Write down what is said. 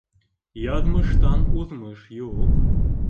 Яҙмыштан уҙмыш юҡ.